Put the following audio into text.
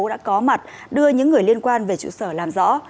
đã có mặt đưa những người liên quan về trụ sở làm rõ